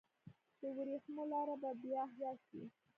د ورېښمو لار به بیا احیا شي؟